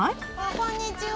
こんにちは。